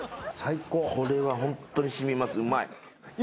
これはホントに染みますうまい。